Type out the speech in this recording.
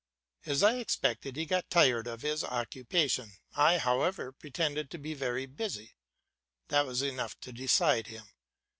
As I expected, he got tired of his occupation; I, however, pretended to be very busy. That was enough to decide him.